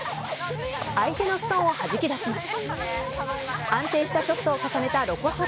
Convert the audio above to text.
相手のストーンをはじき出します。